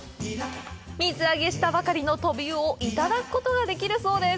水揚げしたばかりのトビウオをいただくことができるそうです！